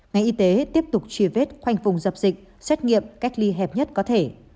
ngành y tế tiếp tục truy vết khoanh vùng dập dịch xét nghiệm cách ly hẹp nhất có thể